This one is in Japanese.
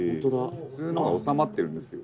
「普通のは収まってるんです」